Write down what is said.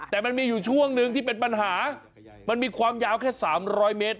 แต่มันมีอยู่ช่วงหนึ่งที่เป็นปัญหามันมีความยาวแค่๓๐๐เมตร